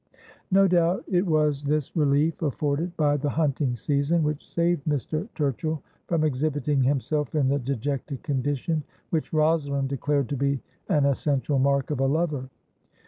No doubt it was this relief afforded by the hunting season which saved Mr. Turchill from exhibiting himself in the dejected condition which Rosalind declared to be an essential mark of a lover.